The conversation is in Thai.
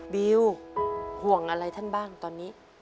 บิวห่วงอะไรท่านบ้างตอนนี้